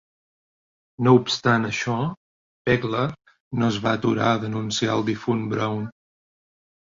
No obstant això, Pegler no es va aturar a denunciar al difunt Broun.